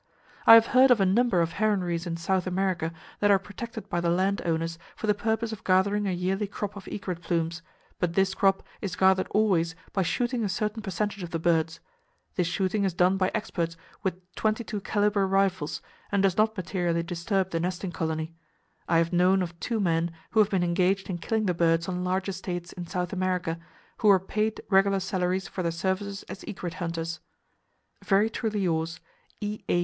I have heard of a number of heronries in South America that are protected by the land owners for the purpose of gathering a yearly crop of egret plumes, but this crop is gathered always by shooting a certain percentage of the birds. This shooting is done by experts with 22 calibre rifles, and does not materially disturb the nesting colony. I have known of two men who have been engaged in killing the birds on large estates in South America, who were paid regular salaries for their services as egret hunters. Very truly yours, E.A.